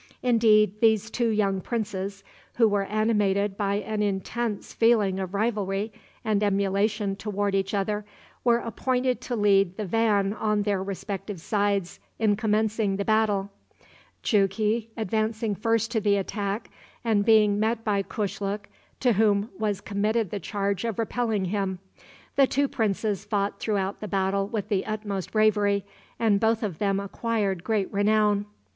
Indeed, these two young princes, who were animated by an intense feeling of rivalry and emulation toward each other, were appointed to lead the van on their respective sides in commencing the battle; Jughi advancing first to the attack, and being met by Kushluk, to whom was committed the charge of repelling him. The two princes fought throughout the battle with the utmost bravery, and both of them acquired great renown.